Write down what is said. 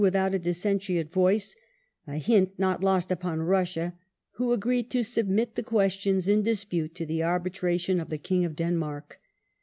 1 1885] PENJDEH 509 voice, a hint not lost upon Russia, who agreed to submit the questions in dispute to the arbitration of the King of Denmark.